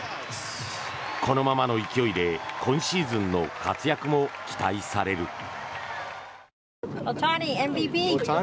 このままの勢いで今シーズンの活躍も期待される。